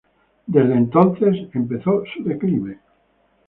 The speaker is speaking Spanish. Desde entonces empezó su declive.